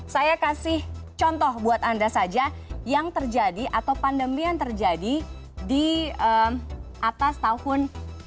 saya kasih contoh buat anda saja yang terjadi atau pandemi yang terjadi di atas tahun seribu sembilan ratus